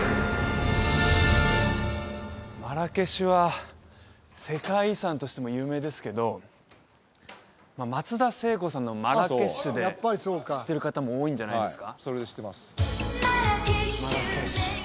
マラケシュは世界遺産としても有名ですけど松田聖子さんの「Ｍａｒｒａｋｅｃｈマラケッシュ」で知ってる方も多いんじゃないですか？